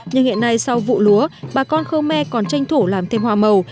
nhưng hiện nay sau vụ lúa bà con khơ me còn tranh thủ làm thêm hoa màu